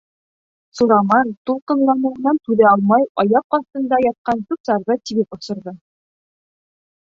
Сураман тулҡынланыуынан түҙә алмай, аяҡ аҫтында ятҡан сүп-сарҙы тибеп осорҙо.